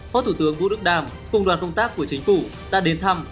phó thủ tướng vũ đức đam cùng đoàn công tác của chính phủ đã đến thăm